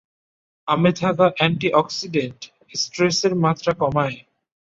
আমে থাকা অ্যান্টিঅক্সিডেন্ট স্ট্রেসের মাত্রা কমায়।